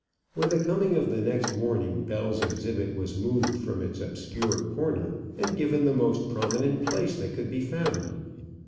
With the coming of the next morning Bell's exhibit was moved from its obscure corner and given the most prominent place that could be found.